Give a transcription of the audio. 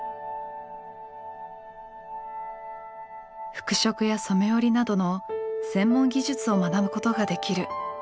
服飾や染織などの専門技術を学ぶことができる女学校でした。